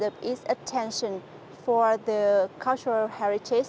đã phát triển vấn đề và mục đích của thị trấn và đất nước